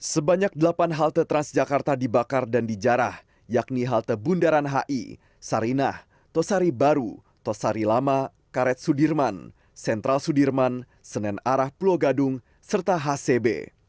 sebanyak delapan halte transjakarta dibakar dan dijarah yakni halte bundaran hi sarinah tosari baru tosari lama karet sudirman sentral sudirman senen arah pulau gadung serta hcb